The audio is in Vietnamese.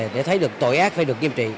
để thấy được tội ác phải được nghiêm trị